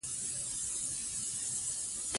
ازادي راډیو د سوداګري په اړه رښتیني معلومات شریک کړي.